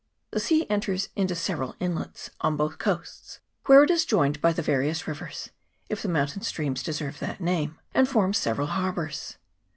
The sea enters into several inlets on both coasts, where it is joined by the various rivers, if the mountain streams deserve that name, and forms several har bours.